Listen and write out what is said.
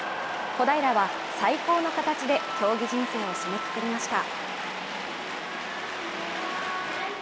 小平は、最高の形で競技人生を締めくくりました。